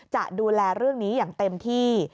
จะดูแลเรื่องนี้อย่างเต็มที่